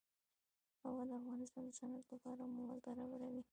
هوا د افغانستان د صنعت لپاره مواد برابروي.